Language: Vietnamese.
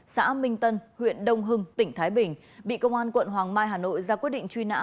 xã minh tân huyện đông hưng tỉnh thái bình bị công an quận hoàng mai hà nội ra quyết định truy nã